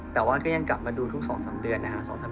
แต่ว่าก็ยังกลับมาดูทุก๒๓เดือนนะฮะ